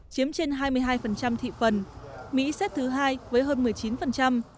chiếm trên hai mươi hai thị phần mỹ xếp thứ hai với hơn một mươi chín